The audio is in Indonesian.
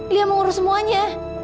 lia mau urus semuanya